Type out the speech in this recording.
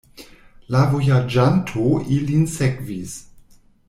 La vojaĝanto ilin sekvis.